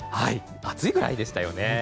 暑いぐらいでしたよね。